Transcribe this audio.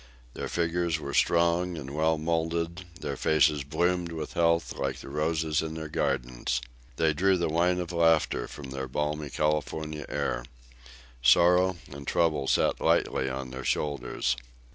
Their figures were strong and well moulded, their faces bloomed with health like the roses in their gardens. They drew the wine of laughter from their balmy California air. Sorrow and trouble sat lightly on their shoulders.